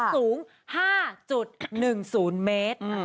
สูง๕๑๐เมตร